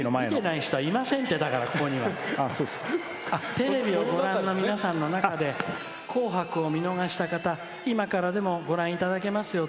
見てない人はいませんって、ここには。テレビをご覧の皆さんの中で「紅白」を見逃した方今からでもご覧いただけます